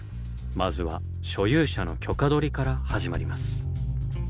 まずは所有者の許可取りから始まります。